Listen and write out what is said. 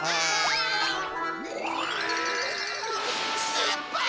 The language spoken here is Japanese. すっぱい！